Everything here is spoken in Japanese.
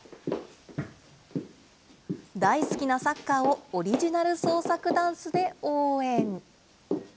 大好きなサッカーをオリジナル創作ダンスで応援。